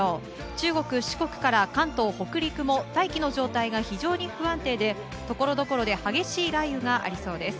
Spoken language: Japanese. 中国・四国から関東、北陸も大気の状態が非常に不安定でところどころで激しい雷雨がありそうです。